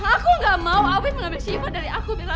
aku gak mau afif mengambil syifa dari aku bella